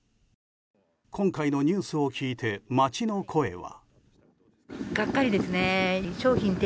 今回のニュースを聞いて街の声は。